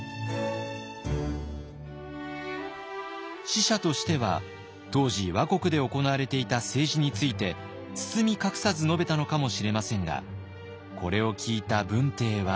使者としては当時倭国で行われていた政治について包み隠さず述べたのかもしれませんがこれを聞いた文帝は。